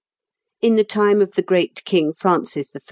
"In the time of the great King Francis I.